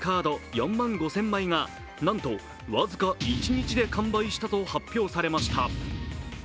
４万５０００枚がなんと僅か一日で完売したと発表されました。